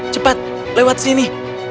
cepat lewat sini